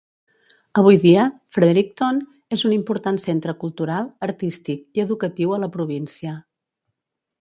Avui dia, Fredericton és un important centre cultural, artístic i educatiu a la província.